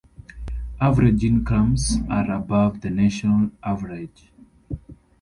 Average incomes are above the national average.